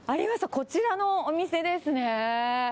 こちらのお店ですね。